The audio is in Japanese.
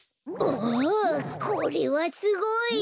おおこれはすごい。